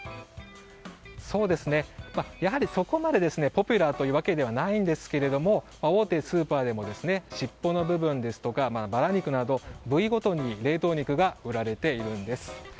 やはり、そこまでポピュラーというわけではないんですが、大手スーパーでも尻尾の部分ですとかバラ肉など部位ごとに冷凍肉が売られているんです。